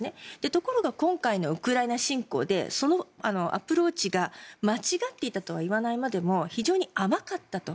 ところが今回のウクライナ侵攻でそのアプローチが間違っていたとは言わないまでも非常に甘かったと。